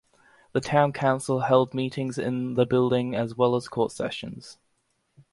The town council held meetings in the building as well as court sessions.